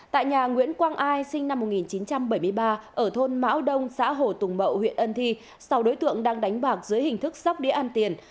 tại nhà nguyễn quang ai sinh năm một nghìn chín trăm bảy mươi ba ở thôn mão đông xã hồ tùng mậu huyện ân thi sau đối tượng đang đánh bạc dưới hình thức sóc đĩa ăn tiền